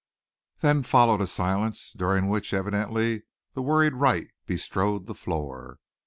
Then followed a silence, during which, evidently, the worried Wright bestrode the floor.